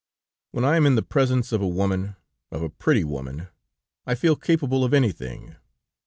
"When I am in the presence of a woman, of a pretty woman, I feel capable of anything.